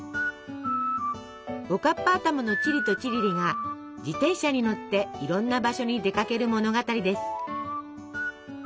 おかっぱ頭のチリとチリリが自転車に乗っていろんな場所に出かける物語です。